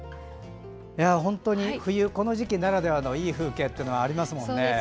本当に冬、この時期ならではのいい風景はありますもんね。